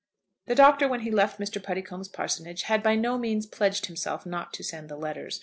The Doctor when he left Mr. Puddicombe's parsonage had by no means pledged himself not to send the letters.